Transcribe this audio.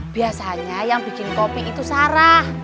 biasanya yang bikin kopi itu sarah